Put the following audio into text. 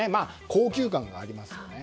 高級感がありますよね。